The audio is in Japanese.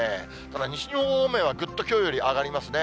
ただ西日本方面はぐっときょうより上がりますね。